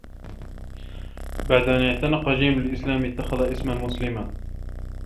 بعد أن اعتنق جيم الإسلام، اتّخذ اسما مسلما.